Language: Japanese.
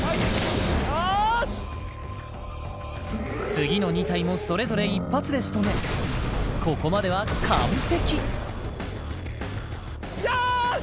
次の２体もそれぞれ一発で仕留めここまでは完璧よーし！